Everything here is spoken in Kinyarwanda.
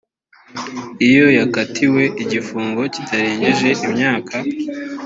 iyo yakatiwe igifungo kitarengeje imyaka